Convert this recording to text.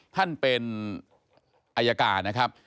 ท่านเป็นอายการนะครับ